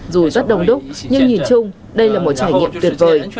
dù rất đông đúc nhưng nhìn chung đây là một trải nghiệm tuyệt vời